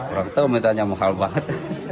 orang tua mintanya mahal banget